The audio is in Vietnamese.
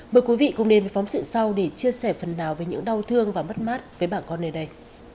mời quý vị cùng đến với phóng sự sau để chia sẻ phần nào về những đau thương và mất mát với bà con nơi đây